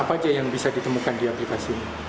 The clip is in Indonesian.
apa saja yang bisa ditemukan di aplikasi ini